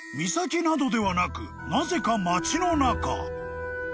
岬などではなくなぜか町の中］